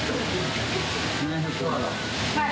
はい。